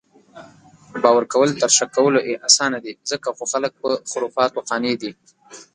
باؤر کؤل تر شک کؤلو اسانه دي، ځکه خو خلک پۀ خُرفاتو قانع دي